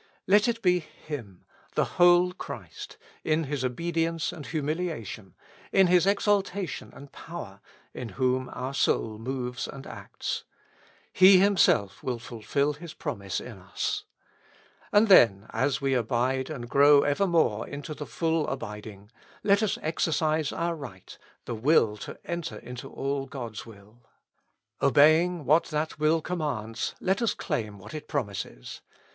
Let it be Him, the whole Christ, in His obedience and humiliation, in His exaltation and power, in whom our soul moves 170 With Christ in the School of Prayer. and acts ; He Himself will fulfill His promise in us. And then as we abide and grow evermore into the full abiding, let us exercise our right, the will to enter into all God's will. Obeying what that will com mands, let us claim what it promises.